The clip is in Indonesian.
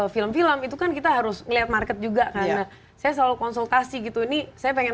film film itu kan kita harus ngeliat market juga karena saya selalu konsultasi gitu ini saya pengen